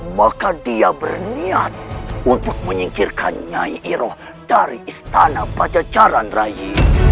maka dia berniat untuk menyingkirkan nyanyi iroh dari istana pajajaran rayi